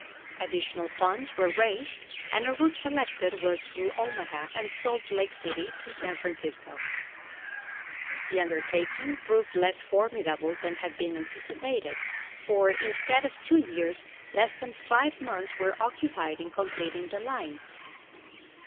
Additional funds were raised and a route selected was through Omaha and Salt Lake City to San Francisco. The undertaking proved less formidable than had been anticipated, for, instead of two years, less than five months were occupied in completing the line.